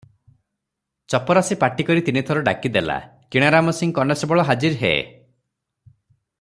ଚପରାସୀ ପାଟିକରି ତିନିଥର ଡାକି ଦେଲା, "କିଣାରାମ ସିଂ କନେଷ୍ଟବଳ ହାଜର ହେ ।"